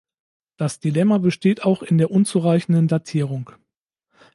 Das Dilemma besteht auch in der unzureichenden Datierung.